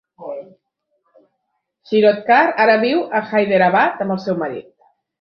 Shirodkar ara viu a Hyderabad amb el seu marit.